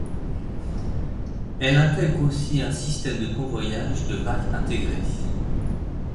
Elle intègre aussi un système de convoyage de bacs intégré.